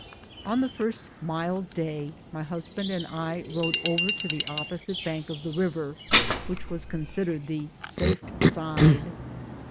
On the first mild day my husband and I rode over to the opposite bank of the river, which was considered the safe side.